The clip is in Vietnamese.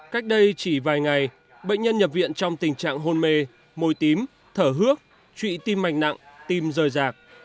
cách đây chỉ vài ngày bệnh nhân nhập viện trong tình trạng hôn mê môi tím thở hước trụy tim mạch nặng tim rời rạc